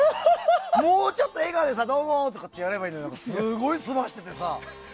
もうちょっと笑顔でさどーも！ってやればいいのにすごいすましててさ。